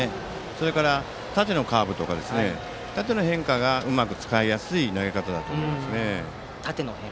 それから縦のカーブだとか縦の変化がうまく使いやすい投げ方だと思いますね。